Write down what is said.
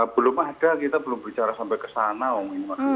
belum ada kita belum bicara sampai ke sana om ini